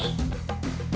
agus yang uruskan